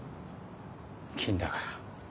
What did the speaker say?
菌だから。